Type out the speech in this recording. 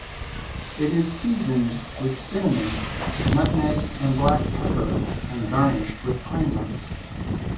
It is seasoned with cinnamon, nutmeg, and black pepper and garnished with pine nuts.